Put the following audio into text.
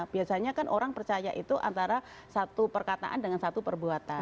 biasanya kan orang percaya itu antara satu perkataan dengan satu perbuatan